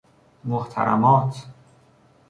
محترمات